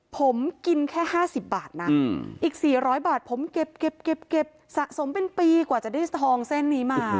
ผมกินแค่๕๐บาทนะอีก๔๐๐บาทผมเก็บสะสมเป็นปีกว่าจะได้ทองเส้นนี้มา